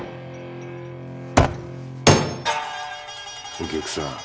お客さん。